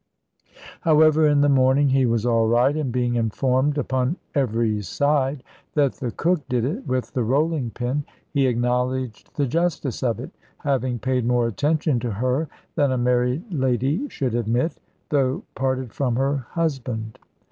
However, in the morning he was all right, and being informed upon every side that the cook did it with the rolling pin, he acknowledged the justice of it, having paid more attention to her than a married lady should admit, though parted from her husband.